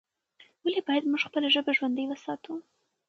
ولې باید موږ خپله ژبه ژوندۍ وساتو؟